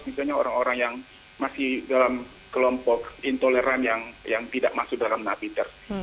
misalnya orang orang yang masih dalam kelompok intoleran yang tidak masuk dalam napiter